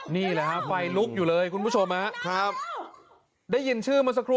นี่แหละคะไฟลึกอยู่เลยคุณผู้ชมฮะครับเดี๋ยวยินชื่อมาสักทั้ง